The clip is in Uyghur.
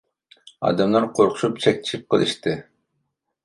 ئادەملەر قورقۇشۇپ چەكچىيىپ قېلىشتى.